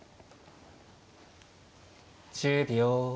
１０秒。